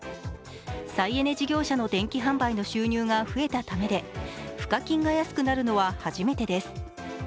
再エネ事業者の電気販売の収入が増えたためで、賦課金が安くなるのは初めてです。